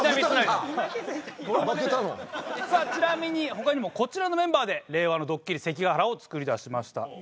ちなみに他にもこちらのメンバーで令和のドッキリ関ヶ原を作り出しました。